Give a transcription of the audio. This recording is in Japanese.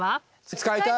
使いたい！